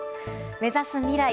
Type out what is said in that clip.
目指す未来。